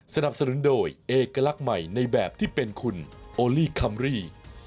สนับสนุนโดยเอกลักษณ์ใหม่ในแบบที่เป็นคุณโอลี่คัมรี่